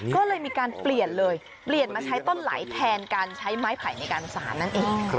ก็เลยมีการเปลี่ยนเลยเปลี่ยนมาใช้ต้นไหลแทนการใช้ไม้ไผ่ในการสารนั่นเอง